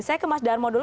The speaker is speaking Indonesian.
saya ke mas darmawan dulu